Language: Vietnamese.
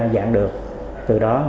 dạng được từ đó